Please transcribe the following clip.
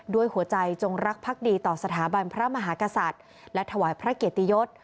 ด้วยหัวใจจงรักภักดีต่อสถาบันพระมหากษัตริย์และถวายพระเกียรติยศ